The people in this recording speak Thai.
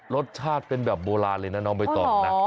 รสชาติเป็นแบบโบราณเลยน้องไปเวตอน